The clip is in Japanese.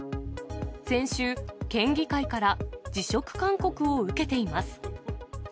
先週、県議会から辞職勧告を受けています。